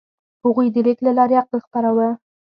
هغوی د لیک له لارې عقل خپراوه.